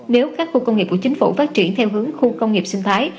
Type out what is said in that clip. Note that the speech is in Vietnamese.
nếu các khu công nghiệp của chính phủ phát triển theo hướng khu công nghiệp sinh thái